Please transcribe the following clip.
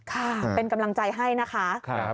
ค่ะเป็นกำลังใจให้นะคะ